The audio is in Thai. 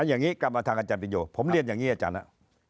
อย่างนี้กลับมาทางอาจารย์ปิโยผมเรียนอย่างนี้อาจารย์นะ